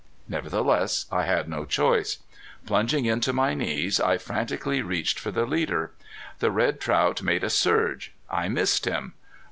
Nevertheless I had no choice. Plunging in to my knees I frantically reached for the leader. The red trout made a surge. I missed him.